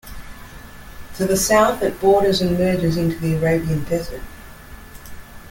To the south it borders and merges into the Arabian Desert.